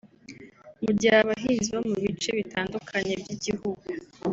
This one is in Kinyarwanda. Mu gihe abahinzi bo mu bice bitandukanye by’igihugu